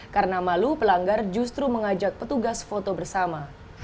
karena malu pelanggar justru mengajak petugas foto bersama